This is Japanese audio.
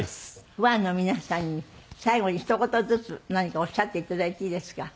ファンの皆さんに最後にひと言ずつ何かおっしゃっていただいていいですか？